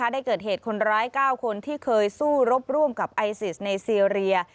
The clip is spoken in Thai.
ได้เกิดเหตุคนร้าย๙คนที่เคยสู้รบร่วมกับไอซิสในซีเรีย